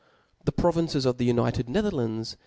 The provinces of the united Netherlands *•*•